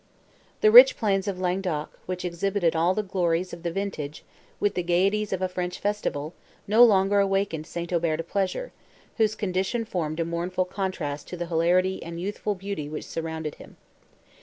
The rich plains of Languedoc, which exhibited all the glories of the vintage, with the gaieties of a French festival, no longer awakened St. Aubert to pleasure, whose condition formed a mournful contrast to the hilarity and youthful beauty which surrounded him.